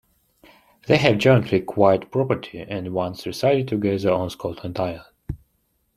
They have jointly acquired property, and once resided together on Scotland Island.